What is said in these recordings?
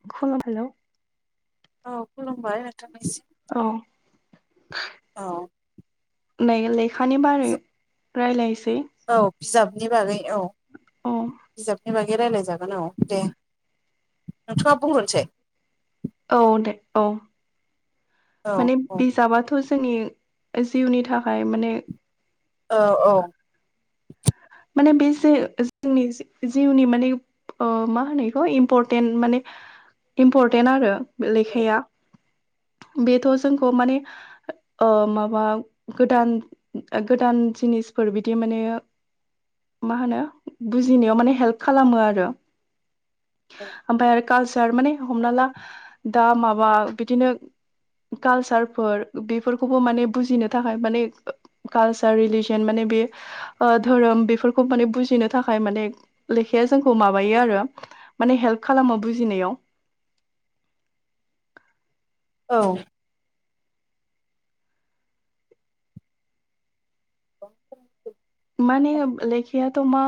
[unintelligible] हेल' औ खुलुमबाय नोंथांनिसिम औ औ [unintelligible] लेखानि बारै रायलायसै औ बिजाबनि बागै औ औ बिजाब नि बागै रायज्लाय जागोन औ दे नोंथाङा बुंग्रोनसै औ दे औ औ माने औ बिजाबाथ' जोंनि जिउनि थाखाय माने औ औ। माने बे जे जोंनि जिउनि माने मा होनो बेखौ इमपरटेन्ट माने इम्परटेन्ट आरो लेखाया [inaudible] बेथ' जोंखौ माने माबा गोदान गोदान जिनिस फोर बिदि माने मा होनो बुजिनायाव माने हेल्प खालामो आरो ओमफाय आरो कालसार माने हमना ला दा माबा बिदिनो कालचार फोर बेफोरखौबो माने बुजिनो थाखाय माने कालचार रिलिजन माने बे धोरोम बे फोरखौ माने बुजिनो थाखाय माने लेखाया जोंखौ माबायो आरो माने हेल्प खालामो बुजिनायाव। [inaudible] औ। माने लेखायाथ' मा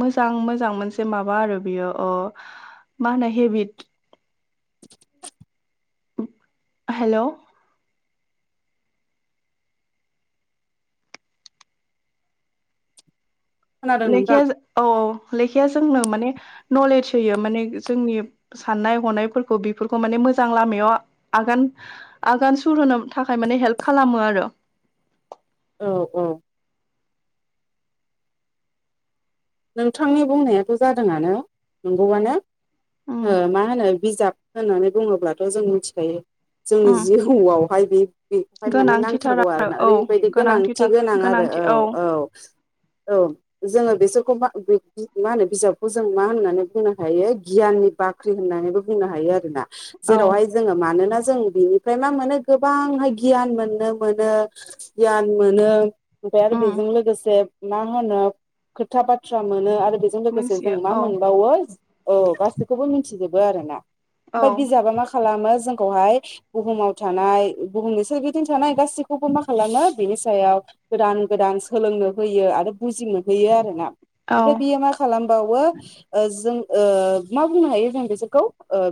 मोजां मोजां मोनसे माबा आरो बेयो अ मा होनो हेबिट हेल' खोनादों नोंथां लेखाया औ लेखाया जोंनो माने नलेज होयो माने जोंनि साननाय हनायफोरखौ बेफोरखौ माने मोजां लामायाव आगान सुर होनो थाखाय माने हेल्प खालामो आरो औ औ। नोंथांनि बुंनायाथ' जादोंआनो नंगौवानो उम मा होनो बिजाब होननानै बुङोब्लाथ' जों मिथिखायो जोंनि उम जिउआवहाय बे बेखौहाय माने गोनांथिथार नांथारगौ आरो ना औ ओरैबायदि गोनांथि गोनांथिथार गोनाङा। आरो गोनांथि औ औ औ जोङो। [unintelligible] मा‌ होनो बिजाबखौ जों मा होननानै बुंनो हायो गियाननि बाख्रि होननानैबो बुंनो हायो आरो ना। औ जेरावहाय जोङो मानोना। जों बिनिफ्राय मा मोनो गोबांहाय गियान मोननो मोनो गियान मोनो ओमफ्राय आरो उम बेजों लोगोसे मा होनो खोथा बाथ्रा मोनो आरो। बेजों लोगोसे मोनथियो जों मा औ मोनबावो औ गासैखौबो मिथिजोबो आरो ना। औ ओमफाय बिजाबा मा खालामो जों खौहाय बुहुमाव थानाय बुहुमनि सोरगिदिं थानाय गाससिखौबो मा खालामो बिनि सायाव गोदान गोदान सोलोंनो होयो आरो बुजिनो होयो आरो औ ओमफाय बियो मा खालामबावो ओ जों ओ मा बुंनो हायो जों बिसोरखौ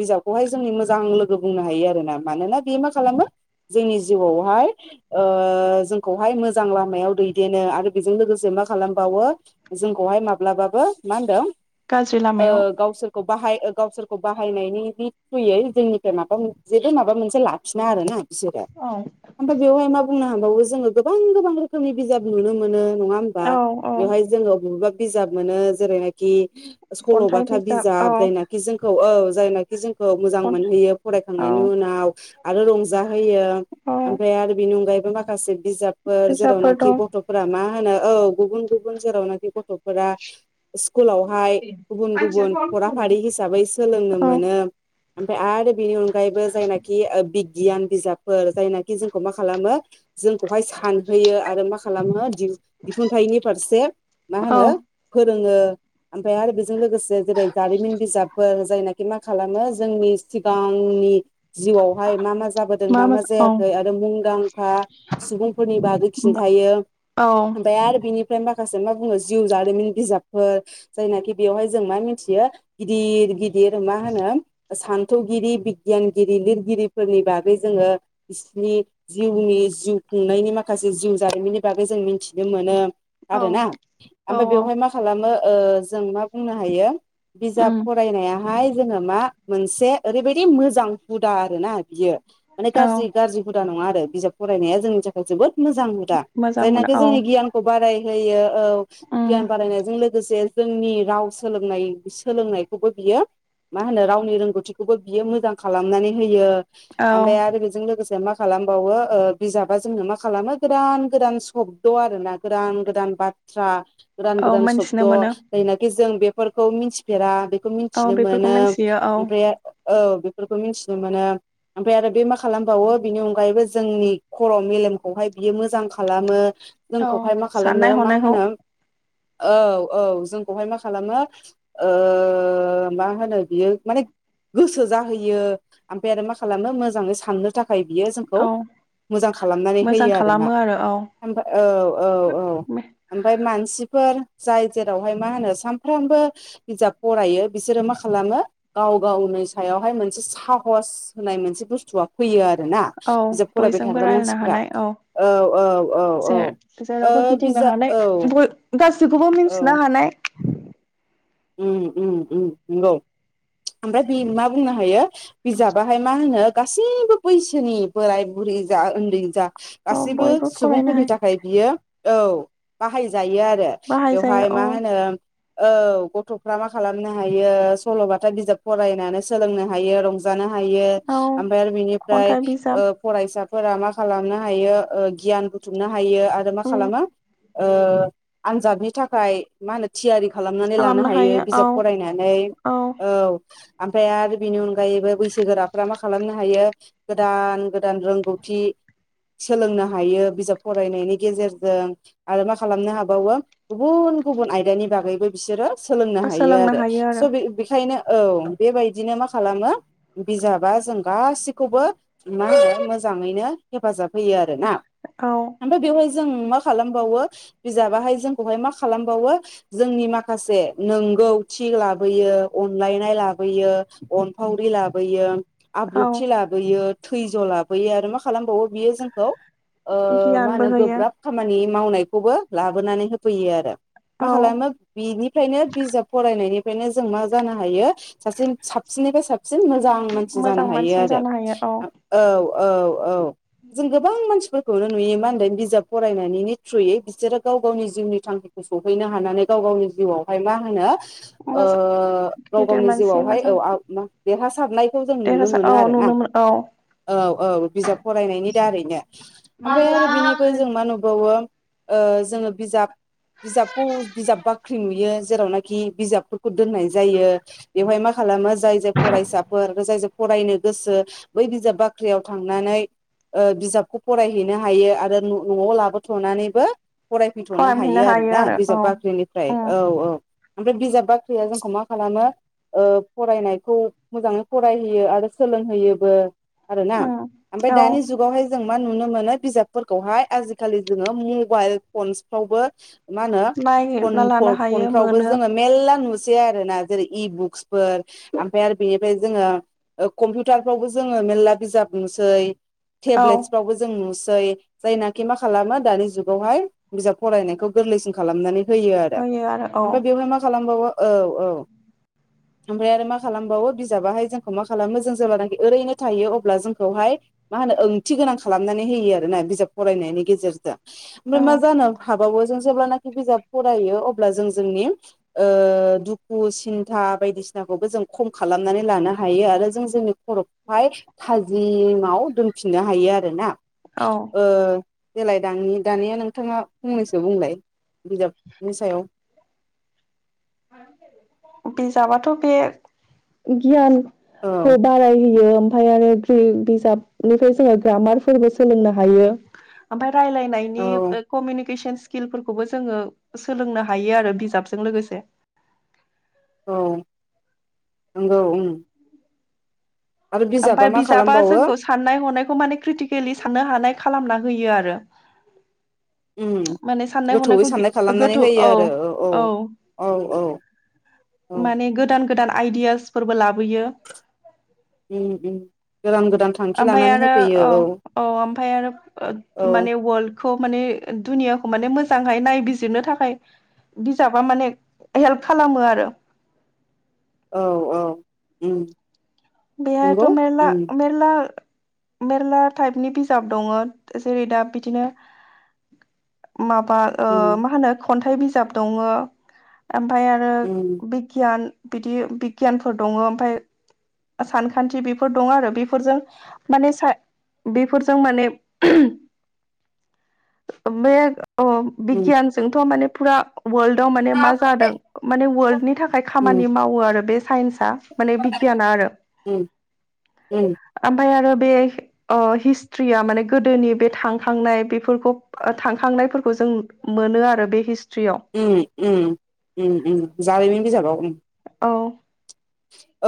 बिजाबखौहाय जोंनि मोजां लोगो बुंनो हायो आरोना मानोना बे मा खालामो जोंनि जिउआवहाय ओ जोंखौहाय मोजां लामायाव दैदेनो आरो बेजों लोगोसे मा खालामबावो जोंखौहाय माब्लाबाबो मा होनदों गाज्रि लामायाव खौ बाहाय ओ गावसोरखौ बाहायनायनि बि थ्रुयै जोंनिफ्राय माबा जेबो माबा मोनसे लाफिना आरो ना बिसोरो औ ओमफ्राय बेवहाय मा बुंनो हांबावो जोङो गोबां गोबां रोखोमनि बिजाब नुनो मोनो नङा होमबा औ औ बेवहाय जोङो बबेबा बिजाब मोनो जेरैहायखि [inaudible] सल'बाथा बिजाब जायनाखि जोंखौ औ जायनाखि जोंखौ मोजां खन्थाइ मोनहोयो औ फरायखांनायनि उनाव आरो रंजाहोयो औ ओमफ्राय आरो बेनि अनगायैबो माखासे बिजाब फोर बिजाबफोर जेरावनोखि दं गथ'फोरा मा होनो औ गुबुन गुबुन जेरावनोखि गथ'फोरा इस्कुलावहाय गुबुन गुबुन फराफारि हिसाबै सोलोंनो औ मोनो ओमफाय आरो बेनि अनगायैबो जायनाखि ओ बिगियान बिजाबफोर जायनाखि जोंखौ मा खालामो जोंखौहाय सानहोयो आरो मा खालामो दिहुन दिहुनथायाइनि फारसे फारसे मा औ होनो फोरोङो ओमफाय आरो बेजों लोगोसे जेरै जारिमिन बिजाबफोर जायनाखि मा खालामो जोंनि सिगांनि जिउआवहाय मा मा जाबोदों मा मा मोजां औ जायाखै आरो मुंदांखा सुबुंफोरनि बागै खिन्था थायो औ ओमफाय आरो बिनिफ्राय माखासे मा बुङो जिउ जारिमिन बिजाबफोर जायनाखि बेयावहाय जों मा मिनथियो गिदिर गिदिर मा होनो सान्थौगिरि बिगियानगिरि लिरगिरिफोरनि बागै जोङो बिसिनि जिउनि जिउ खुंनायनि माखासे जिउ जारिमिननि बागै जों मिनथिनो मोनो औ आरोना औ आमफाय बेवहाय मा खालामो ओ जों मा बुंनो हायो बिजाब उम फरायनायाहाय जोङो मा मोनसे ओरै- बायदि मोजां हुदा आरो ना बियो माने औ गारजि गारजि हुदा नङा आरो बिजाब फरायनाया जोंनि थाखाय जोबोद मोजां हुदा मोजां हुदा जायनाखि औ जोंनि गियानखौ बारायहोयो औ उम गियान बारायनायजों लोगोसे जोंनि राव सोलोंनाय सोलोंनायखौबो बियो मा होनो रावनि रोंगौथिखौबो बियो मोजां खालामनानै होयो औ आमफाय आरो बेजों लोगोसे मा खालामबावो ओ बिजाबा जोंनो मा खालामो गोदान गोदान सब्द आरोना गोदान गोदान बाथ- थ्रा गोदान औ गोदान सब्द मोनथिनो मोनो जायनाखि जों बेफोरखौ मिनथिफेरा बे फोरखौ औ मिनथिनो बेफोरखौ मोनो मोनथियो औ ओमफ्राय औ बेफोरखौ मिनथिनो मोनो ओमफ्राय आरो बे मा खालामबावो बेनि अनगायैबो जोंनि खर' मेल लेमखौय बियो मोजां खालामो औ जोंखौहाय मा खालामो साननाय मा हनायखौ होनो औ औ जोंखौहाय मा खालामो ओ मा होनो बियो माने गोसो जाहोयो आमफाय आरो मा खालामनो मोजाङै साननो थाखाय थाखाय बियो जोंखौ औ मोजां खालामनानै मोजां होयो आरोना खालामो आरो औ औ औ औ ओमफाय मानसिफोर जाय जेरावहाय मा होनो सानफ्रामबो बिजाब फरायो बिसोरो मा खालामो खालामो गाव गावनि सायावहाय मोनसे साहस होननाय मोनसे बुस्थुआ फैयो आरो आरोना औ बिजाब फरायबाय बयजोंबो थाग्रा रायलायनो मानसिफोरा हानाय औ औ औ औ जे जेरावबो ओ गिदिंनो बिजा हानाय गासैखौबो मिनथिनो हानाय उम उम उम नंगौ ओमफाय बे मा बुंनो हायो बिजाबाहाय मा होनो गासैबो बैसोनि बोराय बुरै जा ओन्दै जा औ गासैबो बयबो फरायनो सुबुंफोरनि थाखाय बियो औ बाहाय- जायो आरो बाहायजायो बेवहाय औ मा होनो औ गथ- गथ'फ्रा मा खालामनो हायो सल'बाथा बिजाब फरायनानै सोलोंनो हायो रंजानो हा- हायो औ आमफाय आरो बिनिफ्राय खन्थाइ बिजाब ओ फरायसा फोरा मा खालामनो हायो ओ गियान बुथुमनो हायो आरो मा उम खालामो ओ आनजादनि थाखाय मा होनो थियारि खालामनानै लानो खालामनो हायो बिजाब औ फरायनानै औ आमफाय आरो बिनि अनगायैबो बैसोगोराफोरा मा खालामनो हायो गोदान गोदान रोंगौथि सोलोंनो हायो बिजाब फरायनायनि गेजेरजों आरो मा खालामनो हाबावो बुहुद गुबुन गुबुन आयदानि बागैबो बिसोरो सोलोंनो हायो आरो स बेखायनो औ बेबायदिनो मा खालामो बिजाबा जों गाैखौबो मा होनो मोजां नो हाब हो आरोना औ आमफाय बे जों मा खालामबावो बिजाबाहाय जोंखौहाय मा खालामबावो जोंनि माखासे नोंगौ थि लाबोयो अनलायनाय लाबोयो अनफावरि लाबोयो औ आब्रुथि लाबोयो थैज' लाबोयो आरो मा खालामबावो बियो जोंखौ मा गियानबो होनो होयो गोब्राब खामानि मावनायखौबो लाबोनानै होफैयो आरो मा औ खालाम मा बिनि बिजाब फरायनायनिफ्रायनो जों मा जानो हायो सासे साबसिननिफ्राय साबसिन साबसिन मोजां मानसि जानो मोजां हायो मानसि आरो जानो हायो औ औ औ जों गोबां मानसिफोरखौनो नुयो मा होनदों बिजाब फरायनायनि थ्रुयै बिसोरो गाव गावनि जिउनि थांखिखौ सौहैनो हानानै गाव गावनि जिउआव मा होनो मोजां गाव गिदिर गावनि मानसि जिउआवहाय मोजां औ देरहासारनाय खौ जों नुनो देरहासार मोनो औ आरोना नुनो मोनो औ औ औ बिजाब फरायनायनि दारैनो ओमफ्राय आरो बिनिफ्राय जों मा नुबावो जोङो बिजाब बिजाबखौ बिजाब बाख्रि नुयो। जेरावनाखि बिजाबफोरखौ दोननाय जायो बेवहाय मा खालामो जाय जाय फरायसाफोर आरो जाय जाय फरायनो गोसो बै बिजाब बाख्रियाव थांनानै बिजाबखौ फरायहैनो हायो आरो न'आव लाबोथ'नानैबो फरायफैथ'नो फरायफैनो हायो आरोना आरो औ बिजाब बाख्रिनिफ्राय उम औ औ ओमफ्राय बिजाब बाख्रिया जोंखौ मा खालामो फरायनायखौ मोजाङै फरायहैयो आरो सोलोंहोयोबो आरोना उम ओमफ्राय औ दानि जुगावहाय जों मा नुनो मोनो बिजफोरखौहाय आखालि जोङो मबाइल फावबो मा होनो फन नागिरना लानो हायो फनफ्रावबो मोनो जोङो मेरला नुसै आरोना जेरै इबुक्सफोर ओमफ्राय आरो बेनिफ्राय जोङो कम्पिउटारफ्रावबो जोङो मेल्ला बिजाब नुसै औ टेब्लेटसफ्रावबो जों नुसै जायनाखि मा खालामो दानि जुगावहाय बिजाब फरायनायखौ गोरलैसिन खालामनानै आरो औ ओमफ्राय बेवहाय मा खालामबावो औ औ [inaudible] ओमफ्राय आरो मा खालामबावो बिजाबाहाय जोंखौ मा खालामो जों जेब्लानाखि ओरैनो थायो अब्ला जोंखौहाय मा होनो ओंथि गोनां खालामनानै होयो आर ना बिजाब फरायनायनि गेजेरजों ओमफ्राय औ मा जानो हाबावो जों जेब्लानाखि बिजाब फरायो अब्ला जों जोंनि दुखु सिन्था बायदिसिनाखौबो जों खम खालामनानै लानो हायो आरो आरो जों जोंनि खर'खौहाय थाजिमाव दोनफिननो हायो आरोना। ओ औ देलाय दा दानिया नों थाङा फंनैसो बुंलाय बिजाबनि सायाव। बिजाबाथ' बे गियान औ खौ बाराय होयो। ओमफ्राय आरो ग्रि बिजाबनिफ्राय जोङो ग्रामारफोरबो सोलोंनो हायो आमफाय रायलायनायनि औ कमउनिकेसन स्किलफोरखौबो जोङो सोलोंनो हायो आरो बिजाबजों लोगोसे औ नंगौ आरो ओमफफ्राय मा बिजाबा खालामबावो जोंखौ साननाय हनायखौ माने क्रिटिकेलि साननो हानाय खालामना होयो आरो। माने साननाय गोथौयै हनायखौ साननाय खालामनानै गोथौ होयो औ आरो औ औ। औ औ औ माने गोदान गोदान आइडियासफोरबो लाबोयो। उम उम गोदान गोदान थांखि ओमफ्राय लानानै आरो होफैयो औ औ ओमफफ्राय औ आरो माने वर्लडखौ माने दुनियाखौ माने मोजांहाय नायबिजिरनो थाखाय बिजाबा माने हेल्प खालामो आरो। औ औ बेहायथ' नंगौ मेरला उम मेरला मेरला टाइपनि बिजाब दङ जेरै दा बिदिनो माबा उम मा होनो खन्थाइ बिजाब दङ ओमफ्राय आरो उम बिगियान बिदि बिगियानफोर दङ। ओमफ्राय सानखान्थि बेफोर दं आरो। बेफोरजों माने बेफोरजों माने बे अ उम बिगियानजोंथ' माने फुरा वर्ल्डआव माने मा जादों माने वर्ल्डनि थाखाय उम खामानि मावो आरो बे साइन्स माने बिगियाना आरो उम उम ओमफ्राय आरो बे हिस्ट्रिया माने गोदोनि बे थांखांनाय बेफोरखौ थांखांनाय जों मोनो आरो बे हिस उम उमजारिमिन बिजाबाव औ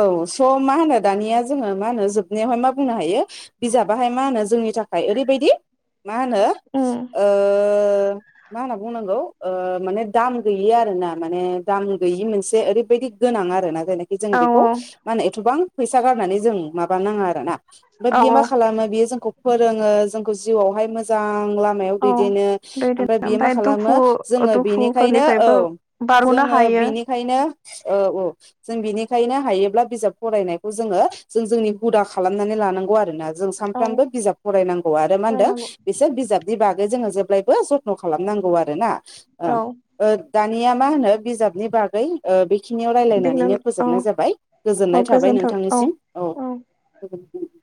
औ स' मा होनो दानिया जोङो मा होनो जोबनायावहाय मा बुंनो हायो बिजाबाहाय मा होनो। जोंनि थाखाय मफ्राय ओरैबायदि मा होनो उम मा होनना बुंनांगौ माने दाम गैयि आरोना माने दाम गि मोनसे ओरैबायदि गोनां आरो ना जायनाखि जों औ बेखौ औ माने एथबां फैसा गारनानै जों माबा नाङा आरो ना ओमफ्राय औ बियो औ मा खालामो बियो जोंखौ फोरोङो जोंखौ जिउआवहाय मोजां लामायाव औ दैदेनो। ओमफ्राय दैदेनो बे मा दुखु खालामो जोङो बेनिखायनो दुखुफोरनिफ्रायबो औ बारग'नो जोङो हायो बिनिखायनो औ औ जोंनि फोथायनो हायोब्ला बिजाब फरायनायखौ जोङो जों जोंनि हुदा खालामनानै लानांगौ आरोना। जों औ सानफ्रामबो बिजाब फरायनांगौ आरो मा होनदों। फरायनांगौ बिसोर बिजाबनि बागै आरो जोङो जेब्लायबो जथन' खालामनांगौ आरो ना औ दानिया मा होनो बिजाबनि बागै बेखिनियाव बेखौनो रायलायनानैनो औ फोजोबनाय जाबाय गोजोननाय औ थाबाय गोजोन्थों नोंथांनिसिम औ गोजोनथों